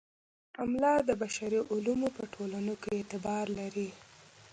پملا د بشري علومو په ټولنو کې اعتبار لري.